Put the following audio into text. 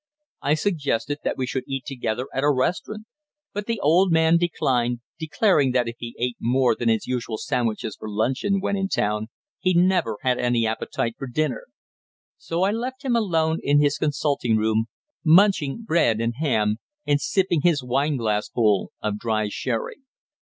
I suggested that we should eat together at a restaurant; but the old man declined, declaring that if he ate more than his usual sandwiches for luncheon when in town he never had any appetite for dinner. So I left him alone in his consulting room, munching bread and ham, and sipping his wineglassful of dry sherry.